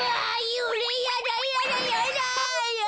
ゆうれいやだやだやだ。